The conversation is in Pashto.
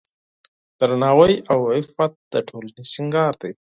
درناوی او عفت د ټولنې سینګار دی.